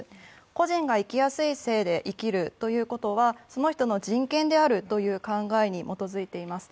個人が生きやすい性で生きるということは、その人の人権であるという考えに基づいています。